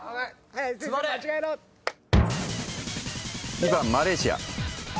２番マレーシア。